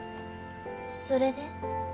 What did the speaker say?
それで？